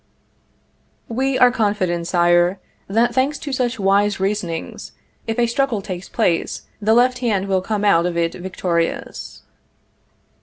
We are confident, Sire, that thanks to such wise reasonings, if a struggle takes place, the left hand will come out of it victorious.